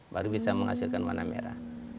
baru bisa menghasilkan warna merah